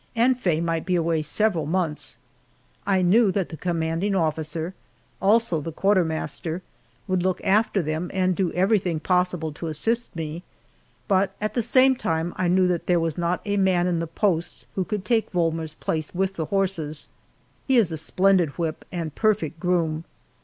And Faye might be away several months! I knew that the commanding officer, also the quartermaster, would look after them and do everything possible to assist me, but at the same time I knew that there was not a man in the post who could take Volmer's place with the horses. He is a splendid whip and perfect groom.